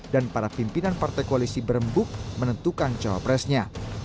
dan para pimpinan partai koalisi berembuk menentukan cawapresnya